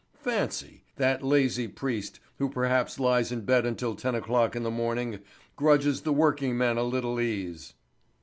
"Fancy! that lazy priest, who perhaps lies in bed until ten o'clock in the morning, grudges the working men a little ease!"